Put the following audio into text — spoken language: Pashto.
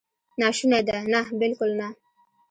ناشونې ده؟ نه، بالکل نه!